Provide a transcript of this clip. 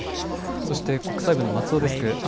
そして国際物の松尾デスク。